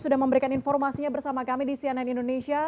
sudah memberikan informasinya bersama kami di cnn indonesia